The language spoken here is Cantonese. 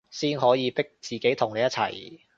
先可以逼自己同你一齊